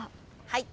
はい。